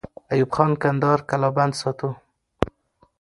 ایوب خان کندهار قلابند ساته.